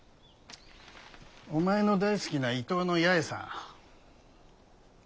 お前の大好きな伊東の八重さん。